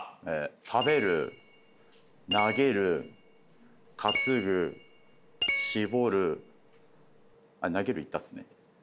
食べる投げる担ぐ絞る投げる言ったっすね？